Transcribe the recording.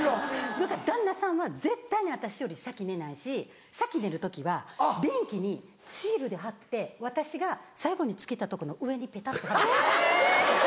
だから旦那さんは絶対に私より先寝ないし先寝る時は電気にシールで貼って私が最後につけたとこの上にペタって貼るんです。